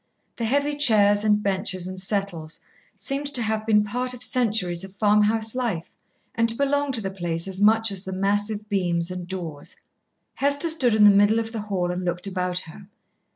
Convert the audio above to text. The heavy chairs and benches and settles seemed to have been part of centuries of farm house life, and to belong to the place as much as the massive beams and doors. Hester stood in the middle of the hall and looked about her.